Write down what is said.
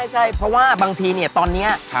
ใช่เพราะว่าบางทีตอนนี้